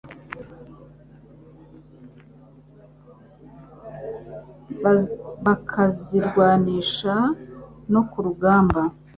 bakazirwanisha no ku rugamba